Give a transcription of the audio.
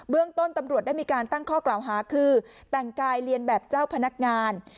เรื่องต้นตำรวจได้มีการตั้งข้อกล่าวหาคือแต่งกายเรียนแบบเจ้าพนักงาน